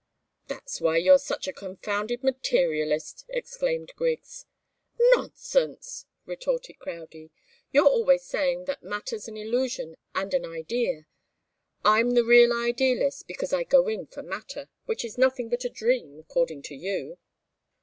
"That's why you're such a confounded materialist!" exclaimed Griggs. "Nonsense!" retorted Crowdie. "You're always saying that matter's an illusion and an idea. I'm the real idealist because I go in for matter, which is nothing but a dream, according to you."